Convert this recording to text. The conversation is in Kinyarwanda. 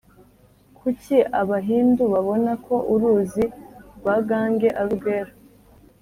kuki abahindu babona ko uruzi rwa gange ari urwera?